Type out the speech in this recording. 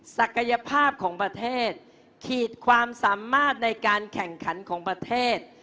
ศักยภาพของประเทศขีดความสามารถในการแข่งขันของประเทศ